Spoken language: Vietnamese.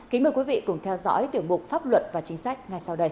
kính mời quý vị cùng theo dõi tiểu mục pháp luật và chính sách ngay sau đây